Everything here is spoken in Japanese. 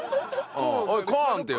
「おいコーン！」っていう。